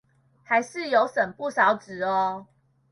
還是有省不少紙喔